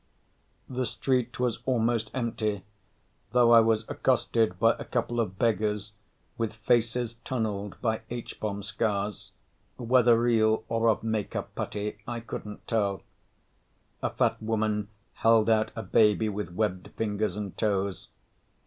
The street was almost empty, though I was accosted by a couple of beggars with faces tunneled by H bomb scars, whether real or of makeup putty, I couldn't tell. A fat woman held out a baby with webbed fingers and toes.